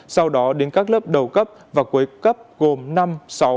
sau đó đến các lớp đầu cấp và cuối cấp gồm năm sáu một mươi